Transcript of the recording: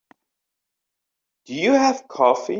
Do you have coffee?